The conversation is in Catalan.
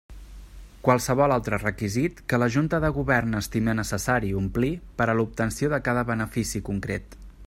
Qualsevol altre requisit que la Junta de Govern estime necessari omplir per a l'obtenció de cada benefici concret.